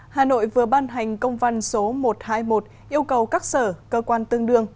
hà nội vừa ban hành công văn số một trăm hai mươi một yêu cầu các sở cơ quan tương đương